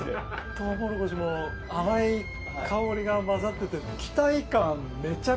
トウモロコシも甘い香りが混ざってて。